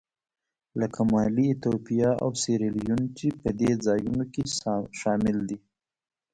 لکه مالي، ایتوپیا او سیریلیون چې په دې ځایونو کې شامل دي.